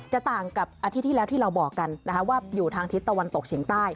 ต่างกับอาทิตย์ที่แล้วที่เราบอกกันนะคะว่าอยู่ทางทิศตะวันตกเฉียงใต้